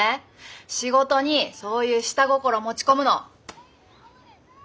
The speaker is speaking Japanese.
仕事にそういう下心持ち込むの。